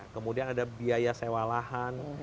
kemudian ada biaya sewa lahan